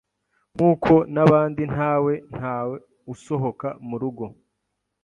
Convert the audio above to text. nk’uko n’abandi ntawe ntaw usohoka mu rugo